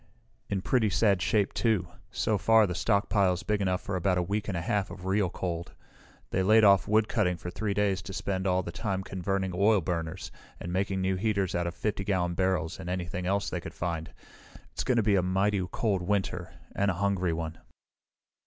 "In pretty sad shape, too. So far, the stockpile is big enough for about a week and a half of real cold. They laid off woodcutting for three days to spend all the time converting oil burners, and making new heaters out of 50 gallon barrels and anything else they could find. It's going to be a mighty cold winter and a hungry one."